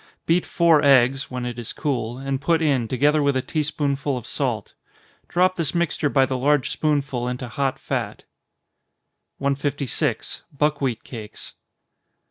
Beat four eggs, (when it is cool,) and put in, together with a tea spoonful of salt. Drop this mixture by the large spoonful into hot fat. 156. _Buckwheat Cakes.